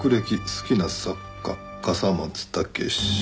「好きな作家：笠松剛史」